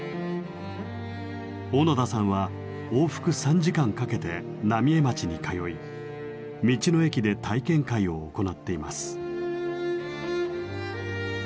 小野田さんは往復３時間かけて浪江町に通い道の駅で体験会を行っています。